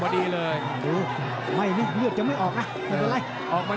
ติดตามยังน้อยกว่า